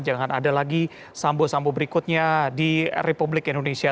jangan ada lagi sambo sambo berikutnya di republik indonesia